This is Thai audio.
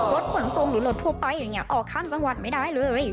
ขนส่งหรือรถทั่วไปอย่างนี้ออกข้ามจังหวัดไม่ได้เลย